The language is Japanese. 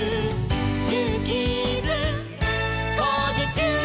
「ジューキーズ」「こうじちゅう！」